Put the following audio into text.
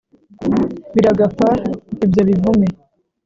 biragapfa ibyo bivume